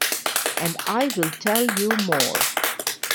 And I will tell you more.